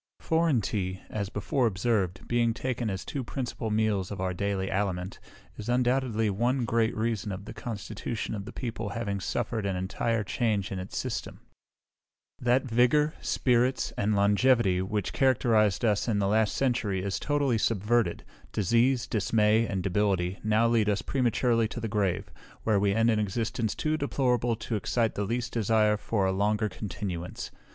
Foreign tea, as before observed, being taken as two principal meals of our daily aliment, is undoubtedly one great reason of the constitution of the people having suffered an entire change in its system. That vigour, spirits, and longevity, which characterised us in the last century, is totally subverted; disease, dismay, and debility, now lead us prematurely to the grave, where we end an existence too deplorable to excite the least desire for a longer continuance.